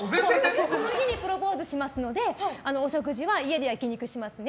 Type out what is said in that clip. この日にプロポーズしますのでお食事は家で焼き肉しますね